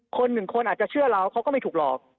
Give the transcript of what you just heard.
คนหนึ่งคนอาจจะเชื่อเราเขาก็ไม่ถูกหลอก